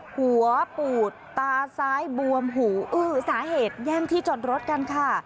หัวปูดตาซ้ายบวมหูอื้อสาเหตุแย่งที่จอดรถกันค่ะ